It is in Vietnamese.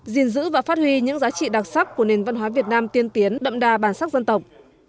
gìn giữ và phát huy những giá trị đặc sắc của nền văn hóa việt nam tiên tiến đậm đà bản sắc dân tộc